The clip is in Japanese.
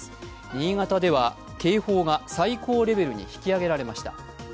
新潟では警報が最高レベルに引き上げられました。